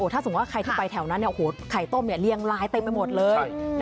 ถ้าสมมุติว่าใครที่ไปแถวนั้นไข่ต้มเรียงลายเต็มไปหมดเลย